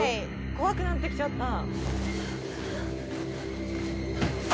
怖い怖くなってきちゃった